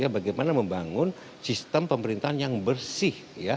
bagaimana membangun sistem pemerintahan yang bersih